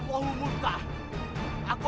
assalamualaikum warahmatullahi wabarakatuh